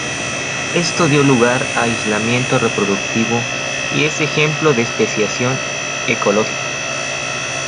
Esto dio lugar a aislamiento reproductivo, y es ejemplo de especiación ecológica.